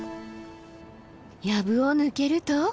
やぶを抜けると。